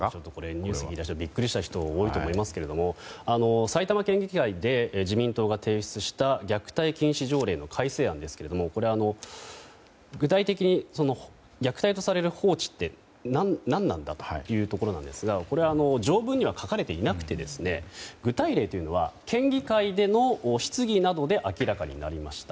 ニュース聞いた瞬間ビックリした人多いと思いますが埼玉県議会で自民党が提出した虐待禁止条例の改正案ですがこれは具体的に虐待とされる放置何なんだということですがこれは条文には書かれていなくて具体例は、県議会での質疑などで明らかになりました。